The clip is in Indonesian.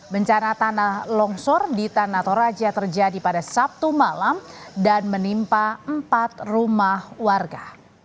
bencana tanah longsor di tanah toraja terjadi pada sabtu malam dan menimpa empat rumah warga